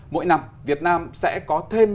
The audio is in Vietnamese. mỗi năm việt nam sẽ có thêm